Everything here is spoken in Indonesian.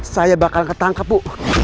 saya bakal ketangkap bu